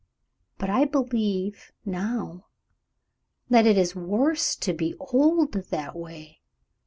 But I believe, now, that it is worse to be old that way.